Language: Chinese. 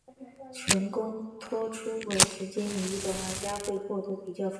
成功脱出鬼时间领域的玩家会获得比较丰厚的奖励。